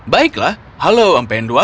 baiklah halo mependwa